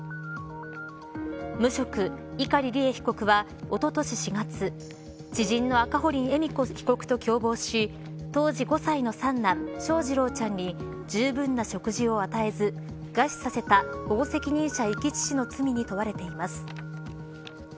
無職、碇利恵被告はおととし４月知人の赤堀恵美子被告と共謀し当時５歳の三男翔士郎ちゃんにじゅうぶんな食事を与えず餓死させた保護責任者遺棄致死の罪に問われています。